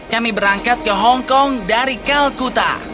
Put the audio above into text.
kami berangkat ke hongkong dari kalkuta